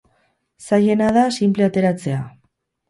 Zailena da sinple ateratzea.